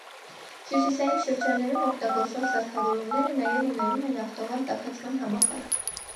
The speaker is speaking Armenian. Հյուսիսային շրջաններում օգտագործվող սարքավորումները նաև ունենում են ավտոմատ տաքացման համակարգ։